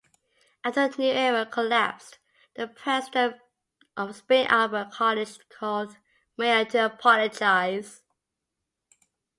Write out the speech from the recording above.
After New Era collapsed, the president of Spring Arbor College called Meyer to apologize.